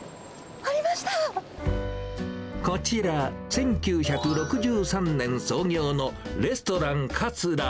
こちら、１９６３年創業の、レストラン桂。